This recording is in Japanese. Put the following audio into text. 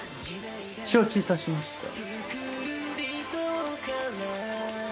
承知致しました。